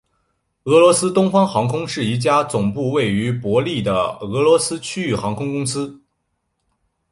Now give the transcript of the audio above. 俄罗斯东方航空是一家总部位于伯力的俄罗斯区域航空公司。